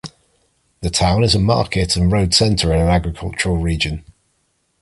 The town is a market and road center in an agricultural region.